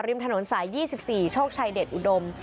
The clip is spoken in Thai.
ริมถนนสาย๒๔โชคชัยเดชอุดม